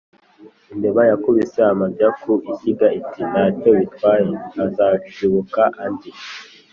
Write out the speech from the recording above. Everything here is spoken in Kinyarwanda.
Imbeba yakubise amabya ku ishyiga iti ntacyo bitwaye hazashibuka andi.